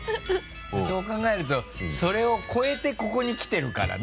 そう考えるとそれを超えてここに来てるからね。